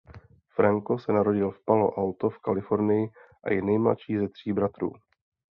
Franco se narodil v Palo Alto v Kalifornii a je nejmladší ze tří bratrů.